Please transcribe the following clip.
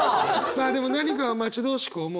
まあでも何かを待ち遠しく思う